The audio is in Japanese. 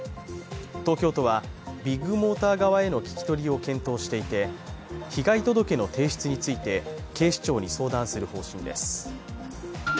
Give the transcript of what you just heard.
東京都はビッグモーター側への聞き取りを検討していて被害届の提出について警視庁に相談する方針です。